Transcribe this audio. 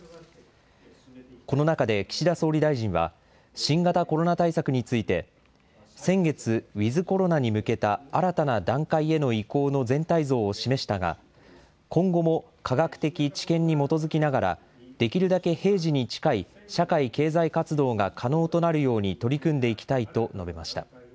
この中で岸田総理大臣は、新型コロナ対策について、先月、ウィズコロナに向けた新たな段階への移行の全体像を示したが、今後も科学的知見に基づきながら、できるだけ平時に近い、社会経済活動が可能となるように取り組んでいきたいと述べました。